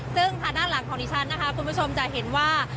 ซึ่งทางด้านหลังของดิฉันนะคะคุณผู้ชมจะเห็นว่า